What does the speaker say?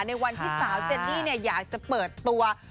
ในวันที่สาวเจนนี่อยากจะเปิดตัว